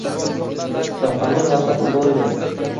soqqani bossa bo‘ldi.